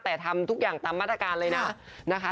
แต่ทำทุกอย่างตามมาตรการเลยนะนะคะ